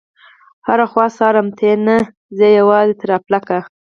هره خوا څارم ته نه يې، زه یوازي تر افلاکه